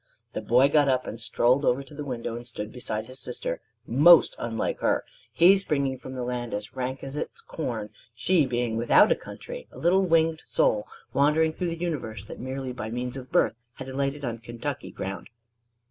The boy got up and strolled over to the window and stood beside his sister, most unlike her: he springing from the land as rank as its corn; she being without a country, a little winged soul wandering through the universe, that merely by means of birth had alighted on Kentucky ground.